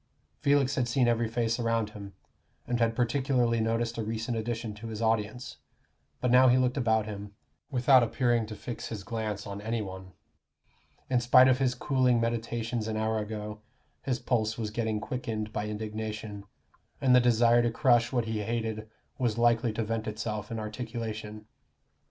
Felix had seen every face around him, and had particularly noticed a recent addition to his audience; but now he looked about him, without appearing to fix his glance on any one. In spite of his cooling meditations an hour ago, his pulse was getting quickened by indignation, and the desire to crush what he hated was likely to vent itself in articulation.